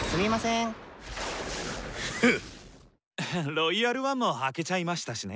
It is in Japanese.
「ロイヤル・ワン」も開けちゃいましたしね。